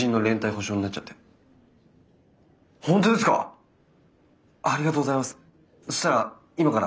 本当ですか？